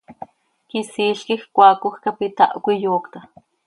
Quisiil quij cmaacoj cap itahcö, iyoocta.